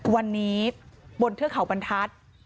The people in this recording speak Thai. วันนี้บนเทือกเขาบรรทัศน์